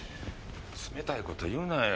冷たいこと言うなよ。